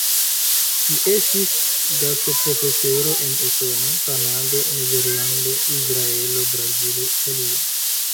Li estis gastoprofesoro en Usono, Kanado, Nederlando, Izraelo, Brazilo, Italio.